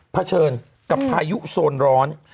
เฉินกับพายุโซนร้อน